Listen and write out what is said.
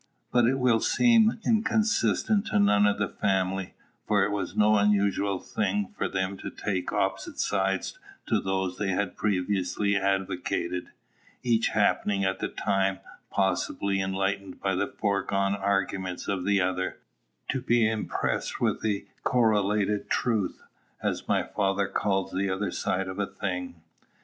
But it will seem inconsistent to none of the family; for it was no unusual thing for them to take opposite sides to those they had previously advocated, each happening at the time, possibly enlightened by the foregone arguments of the other, to be impressed with the correlate truth, as my father calls the other side of a thing.